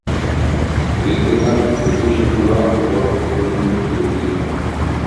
Bere hitzetan, ez du sekula opor egunik eduki.